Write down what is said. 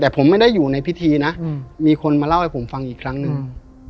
แต่ผมไม่ได้อยู่ในพิธีนะอืมมีคนมาเล่าให้ผมฟังอีกครั้งหนึ่งอืม